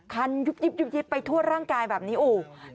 คันยุบไปทั่วร่างกายแบบนี้โอ๊ย